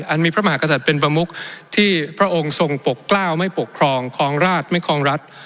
มีพระมหากษัตริย์เป็นประมุกที่พระองค์ทรงปกกล้าวไม่ปกครองครองราชไม่ครองรัฐ